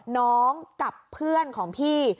น้องกับเพื่อนของพี่